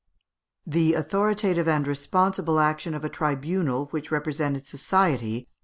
] The authoritative and responsible action of a tribunal which represented society (Fig.